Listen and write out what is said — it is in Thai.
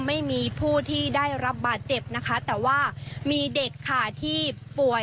ไม่มีผู้ที่ได้รับบาดเจ็บนะคะแต่ว่ามีเด็กค่ะที่ป่วย